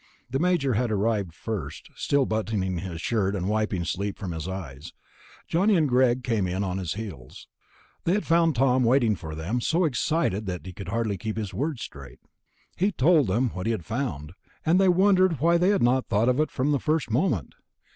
The Major had arrived first, still buttoning his shirt and wiping sleep from his eyes. Johnny and Greg came in on his heels. They had found Tom waiting for them, so excited he could hardly keep his words straight. He told them what he had found, and they wondered why they had not thought of it from the first moment.